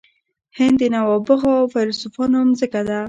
هند د نوابغو او فیلسوفانو مځکه ده.